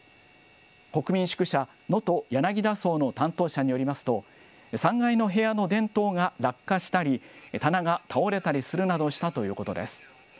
国民宿舎能登やなぎだ荘の担当者によりますと、３階の部屋の電灯が落下したり、棚が倒れたりするなどしたということです。